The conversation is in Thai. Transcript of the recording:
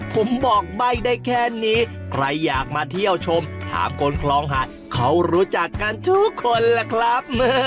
ผมบอกใบ้ได้แค่นี้ใครอยากมาเที่ยวชมถามคนคลองหาดเขารู้จักกันทุกคนล่ะครับ